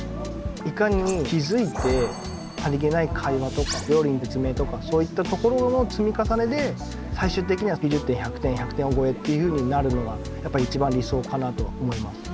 いかに気付いてさりげない会話とか料理の説明とかそういったところの積み重ねで最終的には９０点１００点１００点超えっていうふうになるのがやっぱり一番理想かなと思います